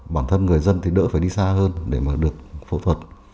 bản thân người dân thì đỡ phải đi xa hơn để mà được phẫu thuật